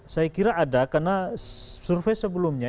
saya kira ada karena survei sebelumnya